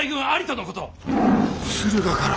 駿河から。